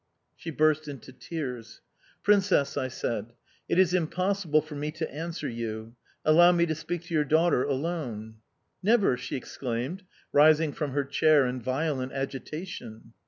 She burst into tears. "Princess," I said, "it is impossible for me to answer you; allow me to speak to your daughter, alone"... "Never!" she exclaimed, rising from her chair in violent agitation.